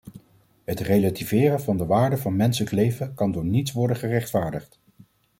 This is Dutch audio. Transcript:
Het relativeren van de waarde van menselijk leven kan door niets worden gerechtvaardigd.